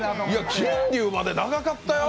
金龍まで長かったよ。